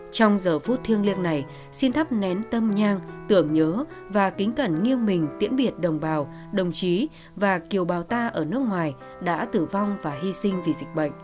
trong giờ phút thiêng liêng này xin thắp nén tâm nhang tưởng nhớ và kính cẩn nghiêng mình tiễn biệt đồng bào đồng chí và kiều bào ta ở nước ngoài đã tử vong và hy sinh vì dịch bệnh